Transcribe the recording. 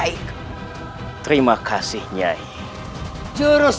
ini ada cutnamu